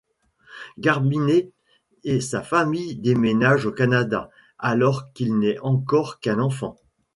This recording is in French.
Gardiner et sa famille déménagent au Canada alors qu'il n'est encore qu'un enfant.